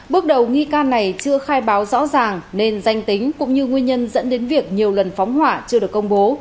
bước đầu nghi can này chưa khai báo rõ ràng nên danh tính cũng như nguyên nhân dẫn đến việc nhiều lần phóng hỏa chưa được công bố